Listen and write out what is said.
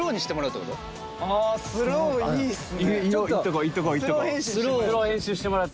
スローいいっすね。